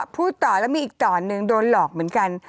พูดต่อแล้วมีอีกต่อหนึ่งโดนหลอกเหมือนกัน